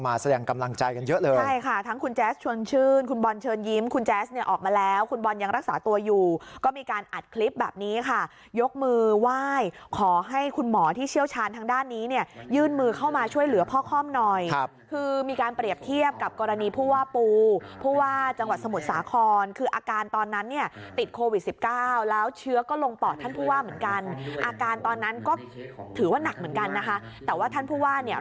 อัดคลิปแบบนี้ค่ะยกมือไหว้ขอให้คุณหมอที่เชี่ยวชาญทางด้านนี้เนี่ยยื่นมือเข้ามาช่วยเหลือพ่อคอมหน่อยคือมีการเปรียบเทียบกับกรณีพู่ว่าปูพู่ว่าจังหวัดสมุทรสาครคืออาการตอนนั้นเนี่ยติดโควิด๑๙แล้วเชื้อก็ลงปอดท่านพู่ว่าเหมือนกันอาการตอนนั้นก็ถือว่านักเหมือนกันนะคะแต่ว่าท่านพู่